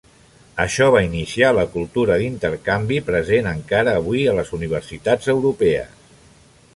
Això va iniciar la cultura d'intercanvi present encara avui a les universitats europees.